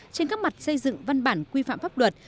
trên các mặt xây dựng văn bản quy phạm pháp luật